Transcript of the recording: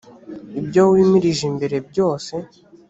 ibyo wimirije imbere byose.